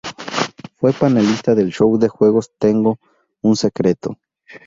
Fue panelista del show de juegos Tengo un secreto.